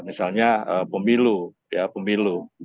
misalnya pemilu ya pemilu